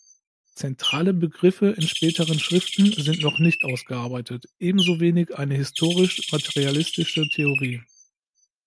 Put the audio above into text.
Zentrale Begriffe in späteren Schriften sind noch nicht ausgearbeitet, ebenso wenig eine „historisch-materialistische“ Theorie.